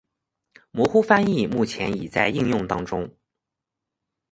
模糊翻译目前已在应用当中。